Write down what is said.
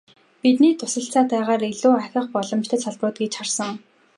Бидний туслалцаатайгаар илүү ахих боломжтой салбарууд гэж харсан.